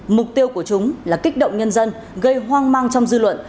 mục tiêu của chúng là kích động nhân dân gây hoang mang trong dư luận